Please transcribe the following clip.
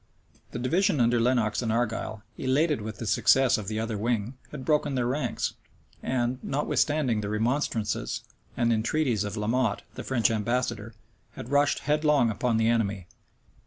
The division under Lenox and Argyle, elated with the success of the other wing, had broken their ranks, and, notwithstanding the remonstrances and entreaties of La Motte, the French ambassador, had rushed headlong upon the enemy.